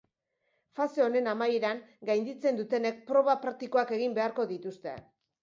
Fase honen amaieran, gainditzen dutenek proba praktikoak egin beharko dituzte.